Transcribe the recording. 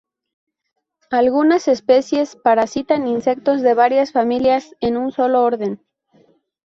Algunas especies parasitan insectos de varias familias en un solo orden.